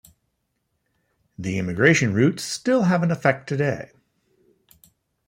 The immigration routes still have an effect today.